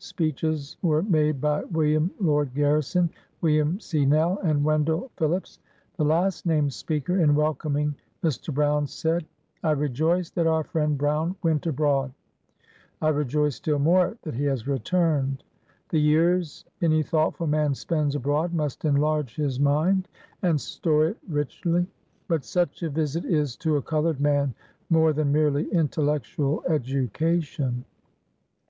Speeches were made by Wm. Lloyd Garrison, Wm. C. Nell, and Wendell Phillips. The last named speaker, in welcoming Mr. Brown, said, — "I rejoice that our friend Brown went abroad: I rejoice still more that he has returned. The years any thoughtful man spends abroad must enlarge his mind and store it richly. But such a visit is, to a colored man, more than merely intellectual education.